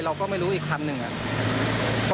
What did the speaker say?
เราก็ไม่รู้อีกคำหนึ่งอะ